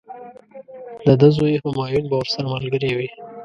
د ده زوی همایون به ورسره ملګری وي.